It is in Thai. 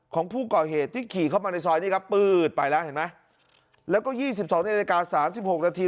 ของผู้ก่อเหตุที่ขี่เข้ามาในซอยนี้ครับปืดไปแล้วเห็นไหมแล้วก็ยี่สิบสองนาฬิกาสามสิบหกนาที